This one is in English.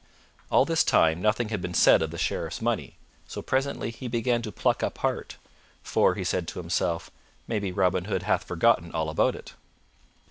All this time nothing had been said of the Sheriff's money, so presently he began to pluck up heart. "For," said he to himself, "maybe Robin Hood hath forgotten all about it."